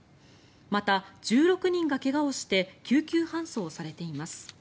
また、１６人が怪我をして救急搬送されています。